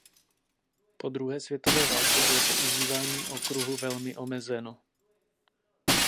Po druhé světové válce bylo používání okruhu velmi omezeno.